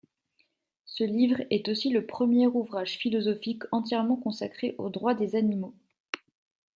Ce livre est aussi le premier ouvrage philosophique entièrement consacré aux droits des animaux.